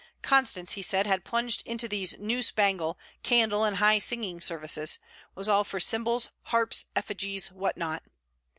Constance, he said, had plunged into these new spangle, candle and high singing services; was all for symbols, harps, effigies, what not.